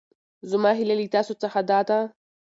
زما هېله له تاسو څخه دا ده.